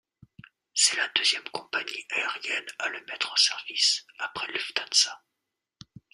C'est la deuxième compagnie aérienne à le mettre en service, après Lufthansa.